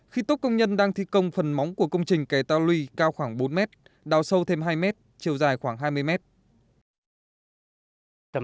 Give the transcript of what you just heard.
khi tốt công nhân đang thi công phần móng của công trình kè tao lùi cao khoảng bốn mét đào sâu thêm hai mét chiều dài khoảng hai mươi mét